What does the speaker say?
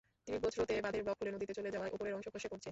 তীব্র স্রোতে বাঁধের ব্লক খুলে নদীতে চলে যাওয়ায় ওপরের অংশ খসে পড়ছে।